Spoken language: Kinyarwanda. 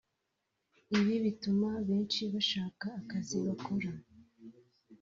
Ibi bituma benshi bashaka akazi bakora